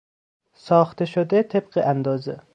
ساخته شده طبق اندازه